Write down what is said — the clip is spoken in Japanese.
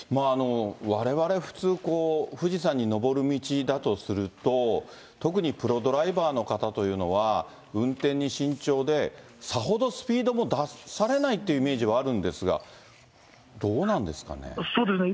われわれ、普通こう、富士山に上る道だとすると、特にプロドライバーの方というのは、運転に慎重で、さほどスピードも出されないというイメージはあるんですが、どうそうですね。